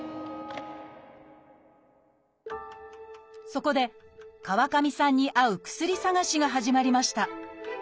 そこで川上さんに合う薬探しが始まりました。